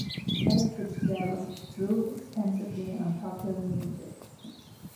Ella Fitzgerald drew extensively on popular music.